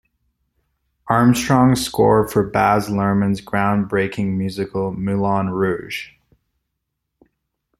Armstrong's score for Baz Luhrmann's groundbreaking musical Moulin Rouge!